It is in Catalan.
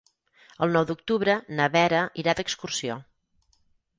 El nou d'octubre na Vera irà d'excursió.